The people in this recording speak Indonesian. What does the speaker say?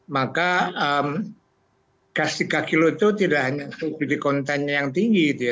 maka gas tiga kg itu tidak hanya untuk konten yang tinggi gitu ya